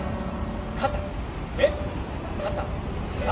肩上肩下。